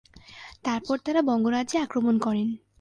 তারপর তাঁরা বঙ্গ রাজ্য আক্রমণ করেন।